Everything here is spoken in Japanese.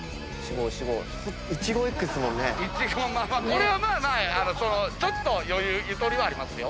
これはまあまあちょっとゆとりはありますよ。